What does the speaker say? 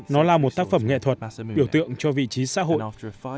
nó là một tác phẩm nghệ thuật biểu tượng cho vị trí xã hội